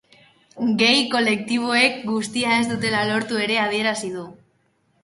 Gay kolektiboek guztia ez dutela lortu ere adierazi du.